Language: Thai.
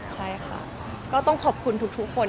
ใช่ค่ะก็ต้องขอบคุณทุกคน